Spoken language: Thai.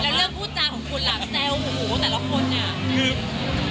แล้วเรื่องผู้ชาญของคุณหลับแซวหู้หู้แต่ละคนเนี่ย